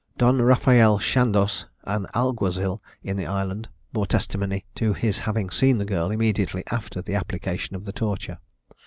Don Rafael Shandoz, an alguazil in the island, bore testimony to his having seen the girl immediately after the application of the torture.